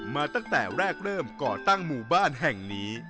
มาตั้งแต่แรกเริ่มก่อตั้งหมู่บ้านแห่งนี้